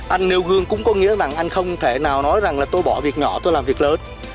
anh nêu gương cũng có nghĩa rằng anh không thể nào nói rằng là tôi bỏ việc nhỏ tôi làm việc lớn